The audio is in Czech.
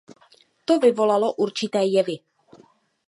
To vyvolalo určité jevy.